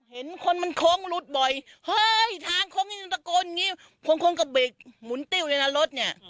เห็นคนมันโค้งหลุดบ่อยเฮ้ยทางโค้งยังตะโกนอย่างนี้บางคนก็เบรกหมุนติ้วเลยนะรถเนี่ย